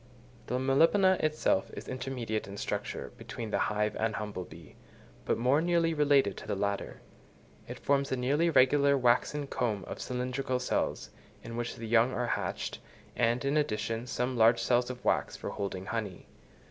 The Melipona itself is intermediate in structure between the hive and humble bee, but more nearly related to the latter: it forms a nearly regular waxen comb of cylindrical cells, in which the young are hatched, and, in addition, some large cells of wax for holding honey.